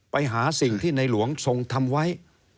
ไปหาสิ่งที่ในหลวงทรงทำไว้